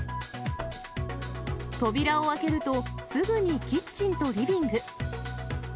扉を開けると、すぐにキッチンとリビング。